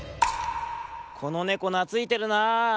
このネコなついてるなあ。